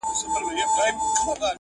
څو بې غیرته قاتلان اوس د قدرت پر ګدۍ؛